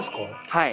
はい。